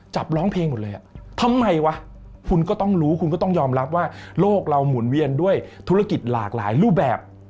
ร้องเพลงหมดเลยอ่ะทำไมวะคุณก็ต้องรู้คุณก็ต้องยอมรับว่าโลกเราหมุนเวียนด้วยธุรกิจหลากหลายรูปแบบ